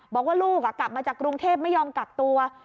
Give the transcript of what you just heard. บอกว่าลูกกลับมาจากกรุงเทพไม่ยอมกักตัว